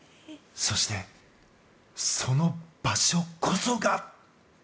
そして、その場所こそが。